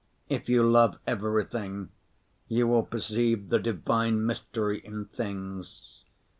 If you love everything, you will perceive the divine mystery in things.